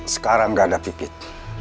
sekarang gak ada pipit